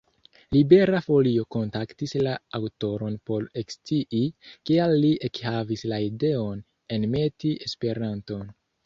Libera Folio kontaktis la aŭtoron por ekscii, kial li ekhavis la ideon enmeti Esperanton.